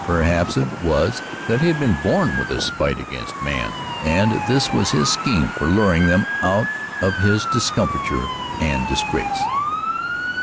Perhaps it was that he had been born with a spite against man, and this was his scheme for luring him on to his discomfiture and disgrace.